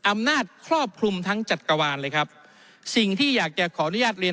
ครอบคลุมทั้งจักรวาลเลยครับสิ่งที่อยากจะขออนุญาตเรียน